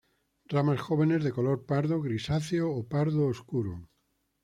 Ramas jóvenes de color pardo grisáceo o pardo oscuro.